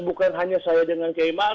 bukan hanya saya dengan kiai ma'ruf